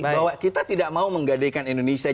bahwa kita tidak mau menggadaikan indonesia